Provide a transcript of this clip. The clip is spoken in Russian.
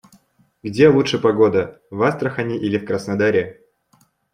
Где лучше погода - в Астрахани или в Краснодаре?